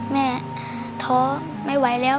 แม่โทรไม่ไหวแล้ว